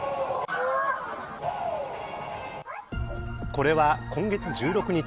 これは今月１６日